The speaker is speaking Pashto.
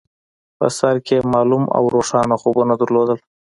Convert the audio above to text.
په سر کې يې معلوم او روښانه خوبونه درلودل.